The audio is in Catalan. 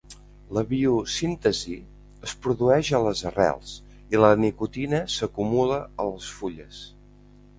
La biosíntesi es produeix a les arrels i la nicotina s'acumula a les fulles.